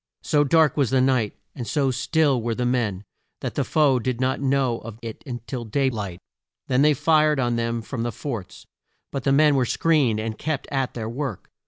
So dark was the night, and so still were the men, that the foe did not know of it till day light. Then they fired on them from the forts, but the men were screened and kept at their work.